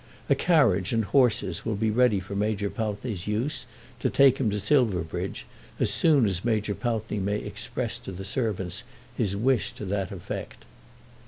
A carriage and horses will be ready for Major Pountney's use, to take him to Silverbridge, as soon as Major Pountney may express to the servants his wish to that effect.